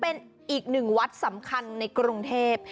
เป็นอีกหนึ่งวัดสำคัญในกรุงเทพ